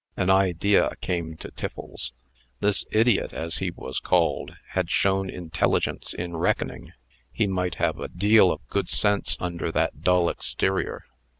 An idea came to Tiffles. This idiot, as he was called, had shown intelligence in reckoning. He might have a deal of good sense under that dull exterior.